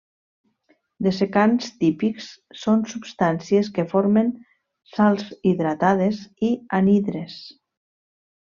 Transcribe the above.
Dessecants típics són substàncies que formen sals hidratades i anhidres.